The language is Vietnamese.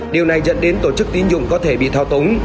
điều này dẫn đến tổ chức tín dụng có thể bị thao túng